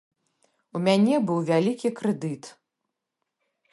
У мяне быў вялікі крэдыт.